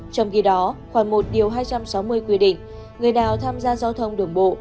trong khi đó khoảng một hai trăm sáu mươi quy định người nào tham gia giao thông đường bộ